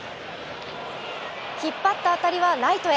引っ張った当たりはライトへ。